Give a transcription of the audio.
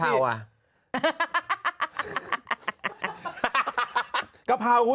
เช็ดแรงไปนี่